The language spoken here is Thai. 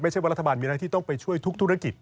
ว่ารัฐบาลมีหน้าที่ต้องไปช่วยทุกธุรกิจ